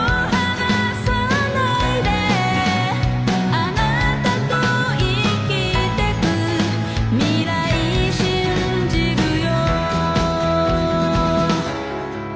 「あなたと生きていく未来信じるよ」